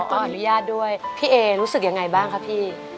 ก็อนุญาตด้วยพี่เอรู้สึกยังไงบ้างคะพี่